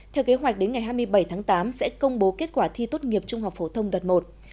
theo kế hoạch đến ngày hai mươi bảy tháng tám sẽ công bố kết quả thi tốt nghiệp trung học phổ thông đợt một